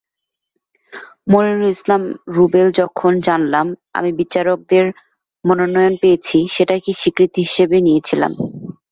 মনিরুল ইসলাম রুবেলযখন জানলাম আমি বিচারকদের মনোনয়ন পেয়েছি, সেটাকেই স্বীকৃতি হিসেবে নিয়েছিলাম।